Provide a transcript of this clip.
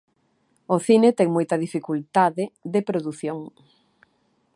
O cine ten moita dificultade de produción.